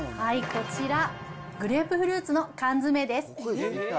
こちら、グレープフルーツの缶詰です。